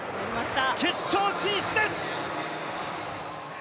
決勝進出です。